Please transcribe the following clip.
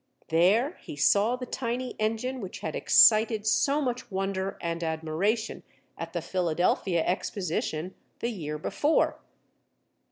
There he saw the tiny engine which had excited so much wonder and admiration at the Philadelphia exposition the year before.